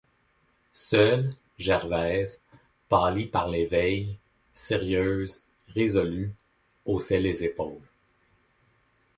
Seule, Gervaise, pâlie par les veilles, sérieuse, résolue, haussait les épaules.